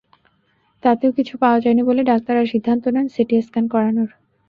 তাতেও কিছু পাওয়া যায়নি বলে ডাক্তাররা সিদ্ধান্ত নেন সিটি স্ক্যান করানোর।